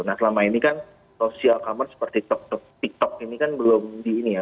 nah selama ini kan social commerce seperti tiktok ini kan belum di ini ya